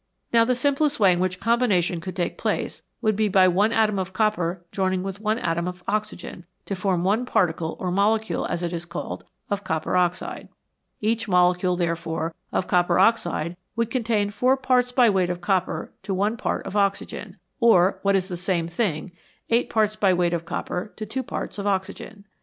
Now the simplest way in which combination could take place would be by one atom of copper joining with one atom of oxygen, to form one particle or molecule, as it is called, of copper oxide. Each molecule, therefore, of copper oxide would contain four parts by weight of copper to one part of oxygen, or, what is the same thing, eight parts by weight of copper to two parts of oxygen.